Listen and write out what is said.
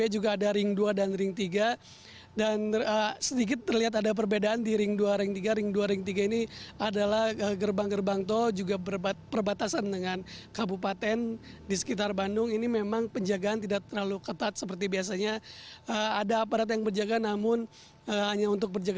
jalan asia afrika